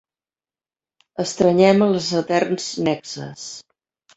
Estrenyem els eterns nexes.